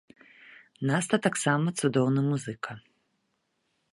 Наста таксама цудоўны музыка.